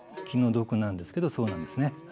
気の毒なんですけどそうなんですね。